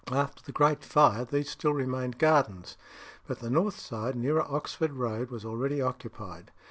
After the Great Fire, these still remained gardens, but the north side, nearer Oxford Road, was already occupied.